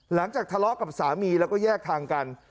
หลังจากทะเลาะกับสามีแล้วก็แยกทางกัน